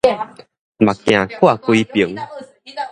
目鏡掛規爿